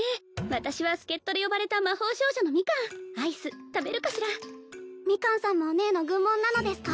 私は助っ人で呼ばれた魔法少女のミカンアイス食べるかしらミカンさんもお姉の軍門なのですか？